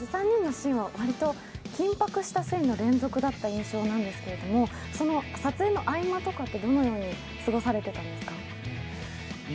３人のシーンは割と緊迫したシーンの連続だった印象があるんですけど撮影の合間とかって、どのように過ごされてたんですか？